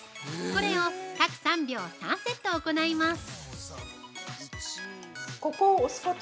これを各３秒３セット行います。